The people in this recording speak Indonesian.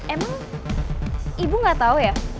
ehm emang ibu gak tau ya